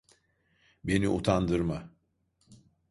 Beni utandırma.